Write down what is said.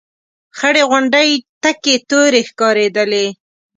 خړې غونډۍ تکې تورې ښکارېدلې.